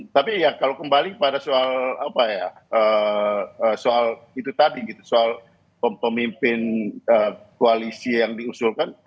tapi ya kalau kembali pada soal apa ya soal itu tadi gitu soal pemimpin koalisi yang diusulkan